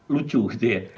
lucu gitu ya